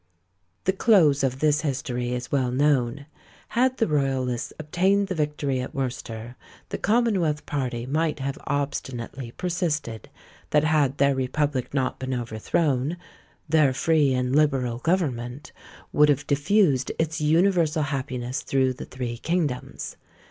The close of this history is well known. Had the royalists obtained the victory at Worcester, the commonwealth party might have obstinately persisted, that had their republic not been overthrown, "their free and liberal government" would have diffused its universal happiness through the three kingdoms.